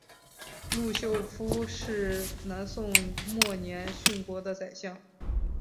陆秀夫是南宋末年殉国的宰相。